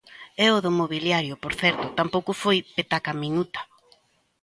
E o do mobiliario, por certo, tampouco foi pecata minuta.